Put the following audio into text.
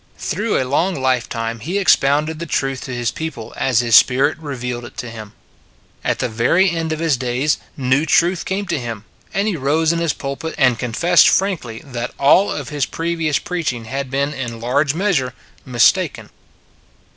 Through a long lifetime he ex pounded the truth to his people as his spirit revealed it to him. And at the very end of his days new truth came to him, and he rose in his pulpit and confessed frankly that all of his previous preaching had been in large measure mistaken.